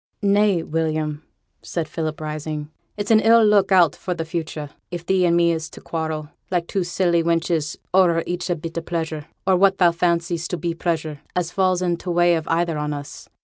'Nay, William,' said Philip, rising, 'it's an ill look out for the future, if thee and me is to quarrel, like two silly wenches, o'er each bit of pleasure, or what thou fancies to be pleasure, as falls in t' way of either on us.